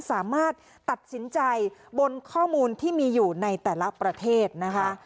สามารถตัดสินใจบนข้อมูลที่มีอยู่ในแต่ละประเทศนะคะ